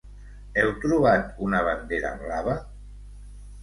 Heu trobat una bandera blava?